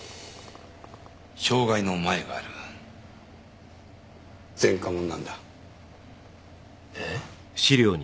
傷害のマエがある前科もんなんだえっ？